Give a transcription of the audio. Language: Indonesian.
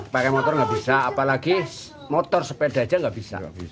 pakai motor nggak bisa apalagi motor sepeda aja nggak bisa